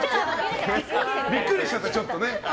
ビックリしちゃった、ちょっとね。